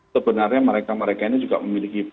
sebenarnya mereka mereka ini juga memiliki